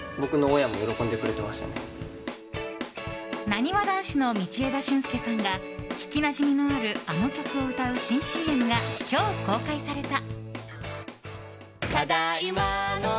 なにわ男子の道枝駿佑さんが聴きなじみのあるあの曲を歌う新ＣＭが今日公開された。